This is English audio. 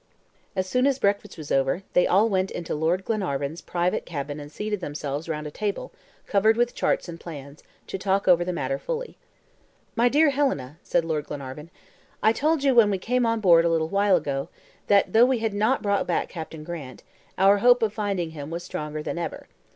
As soon as breakfast was over they all went into Lord Glenarvan's private cabin and seated themselves round a table covered with charts and plans, to talk over the matter fully. "My dear Helena," said Lord Glenarvan, "I told you, when we came on board a little while ago, that though we had not brought back Captain Grant, our hope of finding him was stronger than ever.